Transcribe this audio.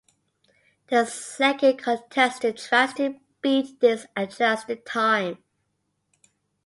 The second contestant tries to beat this adjusted time.